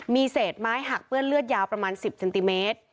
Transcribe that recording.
มีเศษไม้หักเปื้อนเลือดยาวประมาณ๑๐เซนติเมตร